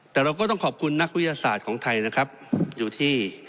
แต่เราก็ต้องขอบคุณนักวิทยาศาสตร์ของไทยนะครับอยู่ที่